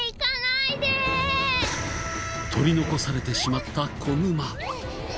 取り残されてしまった子グマ。